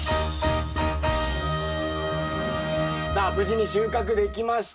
さあ無事に収穫できました。